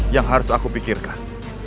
yang harus aku pikirkan